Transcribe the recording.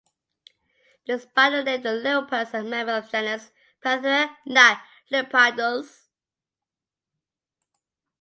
Despite the name, leopards are members of genus "Panthera", not "Leopardus".